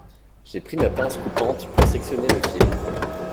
J’ai pris ma pince coupante pour sectionner le fil.